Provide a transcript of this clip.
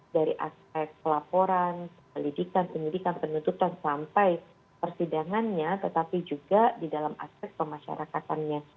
dari aspek pelaporan pendidikan penuntutan sampai persidangannya tetapi juga di dalam aspek pemasyarakatannya